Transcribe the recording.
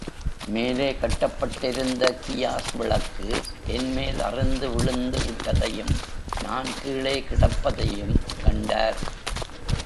மேலே கட்டப்பட்டிருந்த கியாஸ் விளக்கு என்மேல் அறுந்து விழுந்து விட்டதையும், நான் கீழே கிடப்பதையும் கண்டார்.